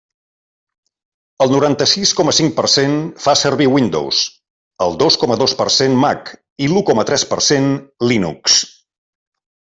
El noranta-sis coma cinc per cent fa servir Windows, el dos coma dos per cent Mac i l'u coma tres per cent Linux.